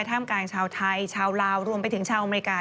ท่ามกลางชาวไทยชาวลาวรวมไปถึงชาวอเมริกา